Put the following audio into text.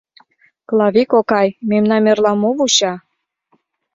— Клави кокай, мемнам эрла мо вуча?